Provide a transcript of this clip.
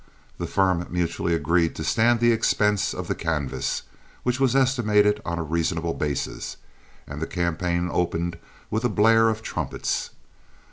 The firm mutually agreed to stand the expense of the canvass, which was estimated on a reasonable basis, and the campaign opened with a blare of trumpets.